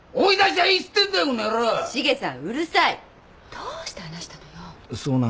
どうして話したのよ？